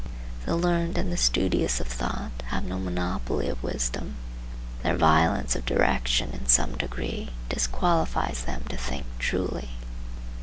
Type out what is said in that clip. The learned and the studious of thought have no monopoly of wisdom. Their violence of direction in some degree disqualifies them to think truly.